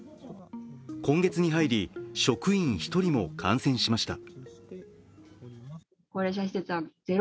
今月に入り、職員１人も感染しました。